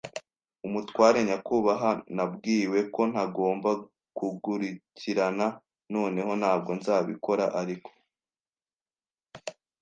umutware, nyakubahwa. Nabwiwe ko ntagomba kugukurikirana. Noneho, ntabwo nzabikora. Ariko